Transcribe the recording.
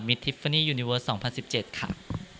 มิสทิฟฟานี่ยูนิเวิร์สสองพันสิบเจ็ดค่ะค่ะ